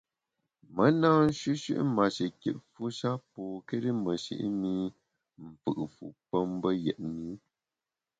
Me na nshüshü’ mashikitfu sha pokéri meshi’ mi mfù’ fu pe mbe yetni.